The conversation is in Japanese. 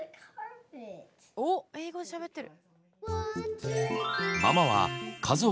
おっ英語しゃべってる。